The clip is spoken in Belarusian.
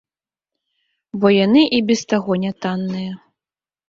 Бо яны і без таго нятанныя.